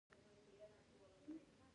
د هلمند تربوز ډیر غټ او دروند وي.